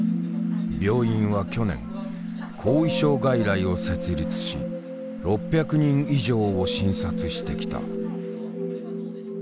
病院は去年後遺症外来を設立し６００人以上を診察してきた。